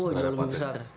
udah lebih besar